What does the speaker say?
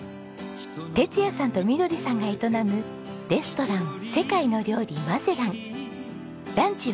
哲也さんとみどりさんが営むレストラン世界の料理マゼラン。